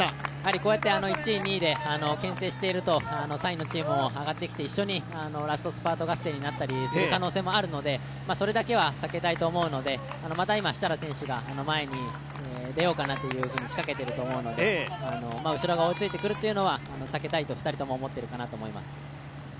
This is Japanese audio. こうやって１位、２位でけん制していると３位のチームも上がってきて一緒にラストスパート合戦になったりする可能性もあるので、それだけは避けたいと思うので、また今、設楽選手が前に出ようかなと仕掛けていると思うので後が追いついてくるというのは避けたいと２人とも思っていると思います。